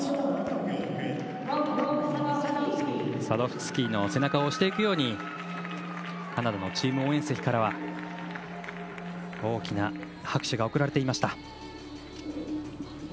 サドフスキーの背中を押していくようにカナダのチーム応援席からは大きな拍手が送られていました。